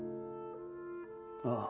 ああ。